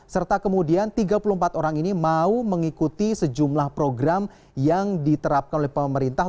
serta kemudian tiga puluh empat orang ini mau mengikuti sejumlah program yang diterapkan oleh pemerintah